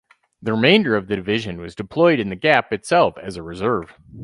The remainder of the division was deployed in the gap itself as a reserve.